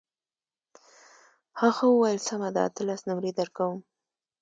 هغه وویل سمه ده اتلس نمرې درکوم.